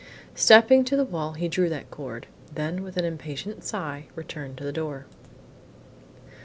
Stepping to the wall, he drew that cord, then with an impatient sigh, returned to the door.